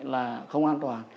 là không an toàn